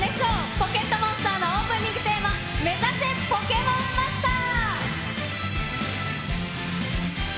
ポケットモンスターのオープニングテーマ、めざせポケモンマスター。